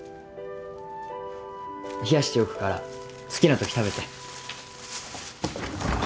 冷やしておくから好きなとき食べて。